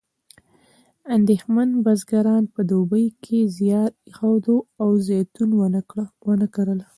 اندېښمن بزګران په دوبي کې زیار ایښود او زیتون ونه کرله.